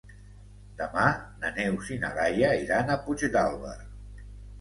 Demà na Neus i na Laia iran a Puigdàlber.